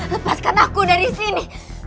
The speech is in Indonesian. lepaskan aku dari sini